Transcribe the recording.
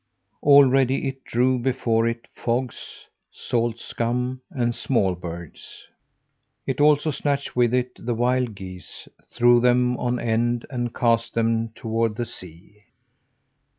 Already, it drove before it fogs, salt scum and small birds; it also snatched with it the wild geese, threw them on end, and cast them toward the sea.